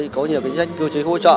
có nhiều chính sách cư trí hỗ trợ